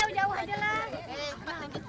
misalnya berapa pak